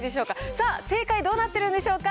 さあ、正解どうなっているんでしょうか。